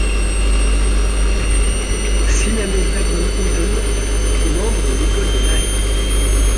Sina Mesdag-van Houten était membre de l'École de la Haye.